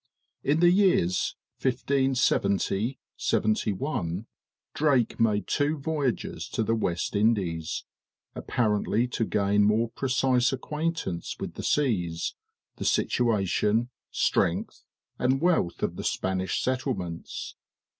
In the years 1570 71 Drake made two voyages to the West Indies, apparently to gain a more precise acquaintance with the seas, the situation, strength, and wealth of the Spanish settlements.